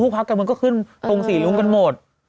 พักการเมืองก็ขึ้นตรงสี่รุ้งกันหมด